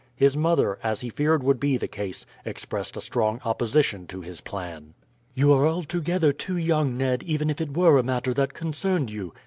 His mother, as he feared would be the case, expressed a strong opposition to his plan. "You are altogether too young, Ned, even if it were a matter that concerned you."